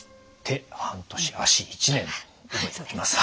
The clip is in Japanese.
手半年足１年覚えておきます。